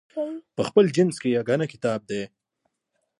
په خپل جنس کې یګانه کتاب دی.